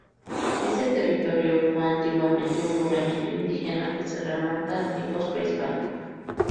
Este territorio fue antiguamente un poblamiento indígena, que se remonta a tiempos prehispánicos.